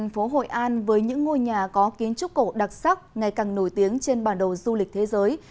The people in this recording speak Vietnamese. thành phố hội an với những ngôi nhà có kiến trúc cổ đặc sắc ngày càng nổi tiếng trên bản đồ du lịch thế giới